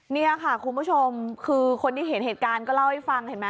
นี่ค่ะคุณผู้ชมคือคนที่เห็นเหตุการณ์ก็เล่าให้ฟังเห็นไหม